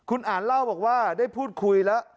คุณอ่านเล่าบอกว่าได้พูดคุยแล้ว